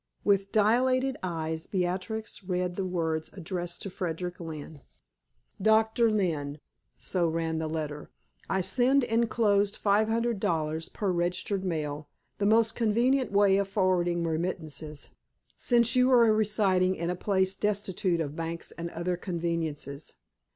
With dilated eyes Beatrix read the words addressed to Frederick Lynne: "DOCTOR LYNNE," so ran the letter, "I send inclosed five hundred dollars per registered mail, the most convenient way of forwarding remittances, since you are residing in a place destitute of banks and other conveniences.